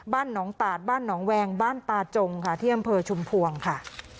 บ้านหนองตาดบ้านหนองแวงบ้านตาจงค่ะที่อำเภอชุมพวงค่ะ